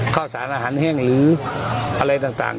ข้าวสารอาหารแห้งหรืออะไรต่าง